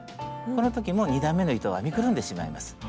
この時も２段めの糸を編みくるんでしまいます。